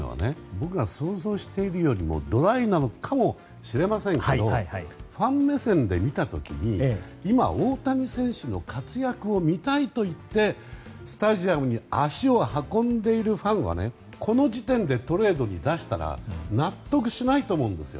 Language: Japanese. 僕が想像しているよりもドライなのかもしれませんけどファン目線で見た時に今、大谷選手の活躍を見たいといってスタジアムに足を運んでいるファンはこの時点でトレードに出したら納得しないと思うんです。